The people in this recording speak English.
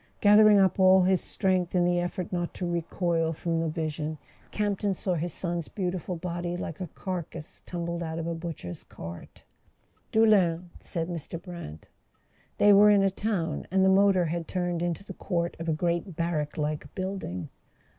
Gathering up all his strength in the effort not to recoil from the vision, Campton saw his son's beautiful body like a carcass tumbled out of a butcher's cart. .. "Doullens," said Mr. Brant. They were in a town, and the motor had turned into the court of a great barrack like building.